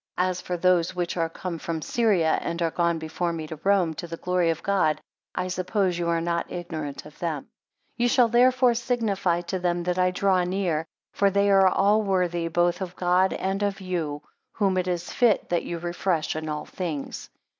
As for those which are come from Syria, and are gone before me to Rome, to the glory of God, I suppose you are not ignorant of them. 14 Ye shall therefore signify to them that I draw near, for they, are all worthy both of God and of you: Whom it is fit that you refresh in all things.